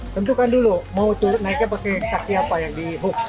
tentukan dulu mau turun naiknya pakai kaki apa yang dihook